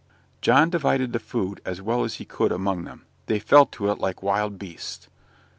John divided the food as well as he could among them; they fell to it like wild beasts.